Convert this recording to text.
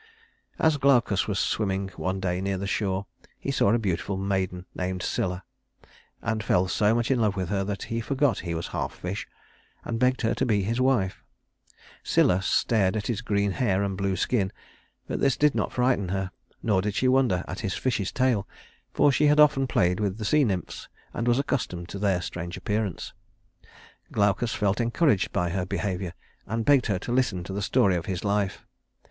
As Glaucus was swimming one day near the shore, he saw a beautiful maiden named Scylla; and fell so much in love with her that he forgot he was half fish, and begged her to be his wife. Scylla stared at his green hair and blue skin, but this did not frighten her, nor did she wonder at his fish's tail; for she had often played with the sea nymphs, and was accustomed to their strange appearance. Glaucus felt encouraged by her behavior, and begged her to listen to the story of his life.